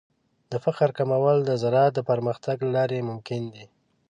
د فقر کمول د زراعت د پرمختګ له لارې ممکن دي.